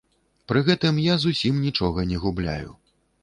Пры гэтым я зусім нічога не губляю.